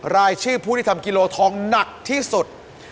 รายชื่อผู้ที่ทำกิโลทองหนักที่สุด